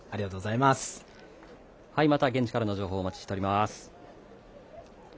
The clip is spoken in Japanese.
また現地からの情報をお待ちしております。